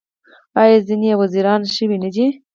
آیا ځینې یې وزیران شوي نه دي؟